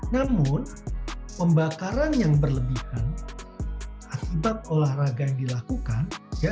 namun pembakaran yang berlebihan akibat olahraga yang dilakukan